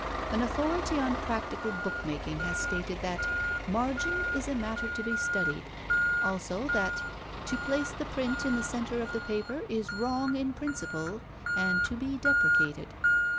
An authority on practical book making has stated that "margin is a matter to be studied"; also that "to place the print in the centre of the paper is wrong in principle, and to be deprecated."